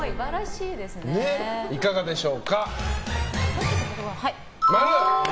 いかがでしょうか。